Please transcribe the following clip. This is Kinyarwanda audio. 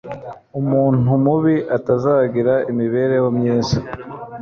umuntu mubi atazagira imibereho myiza